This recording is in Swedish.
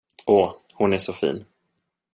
Åh, hon är så fin.